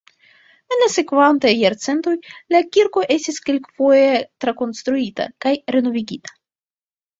En la sekvantaj jarcentoj la kirko estis kelkfoje trakonstruita kaj renovigita.